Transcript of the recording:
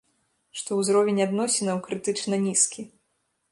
Што ўзровень адносінаў крытычна нізкі.